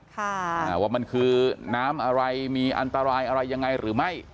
ค่ะอ่าว่ามันคือน้ำอะไรมีอันตรายอะไรยังไงหรือไม่